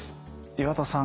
岩田さん